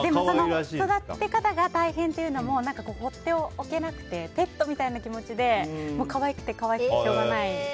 育て方が大変というのも放っておけなくてペットみたいな気持ちで可愛くて可愛くてしょうがない。